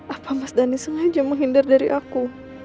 apa mas dhani sengaja menghindar dari aku